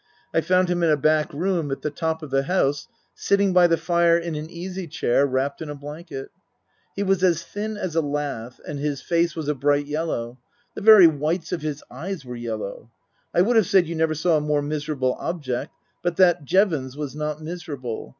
I found him in a back room, at the top of the house, sitting by the fire in an easy chair, wrapped in a blanket. He was as thin as a lath and his face was a bright yellow. The very whites of his eyes were yellow. I would have said you never saw a more miserable object, but that Jevons was not miserable.